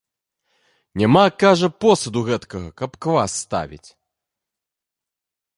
Няма, кажа, посуду гэткага, каб квас ставіць.